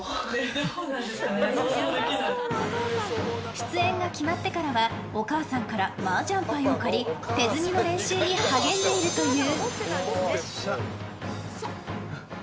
出演が決まってからはお母さんからマージャン牌を借り手積みの練習に励んでいるという。